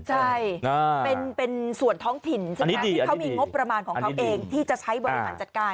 ใช่เป็นส่วนท้องถิ่นใช่ไหมที่เขามีงบประมาณของเขาเองที่จะใช้บริหารจัดการ